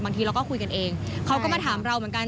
บางทีเราก็คุยกันเองเขาก็มาถามเราเหมือนกัน